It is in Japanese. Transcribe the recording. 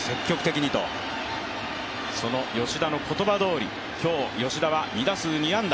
その吉田の言葉どおり、今日吉田は２打数２安打。